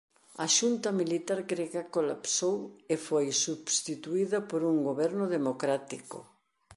A xunta militar grega colapsou e foi substituída por un goberno democrático.